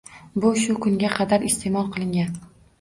Bu shu kunga qadar isteʼmol qilingan